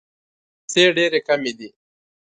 پیسې ډېري کمي دي.